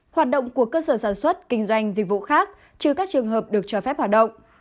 hoạt động của cơ sở sản xuất kinh doanh dịch vụ khác trừ các trường hợp được cho phép hoạt động